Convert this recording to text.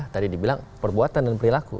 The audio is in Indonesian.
tadi dibilang perbuatan dan perilaku